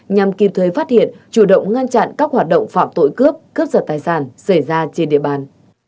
nhằm kịp thời phát hiện chủ động ngăn chặn các hoạt động phạm tội cướp cướp giật tài sản xảy ra trên địa bàn